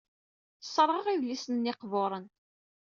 Sserɣeɣ idlisen-nni iqburen.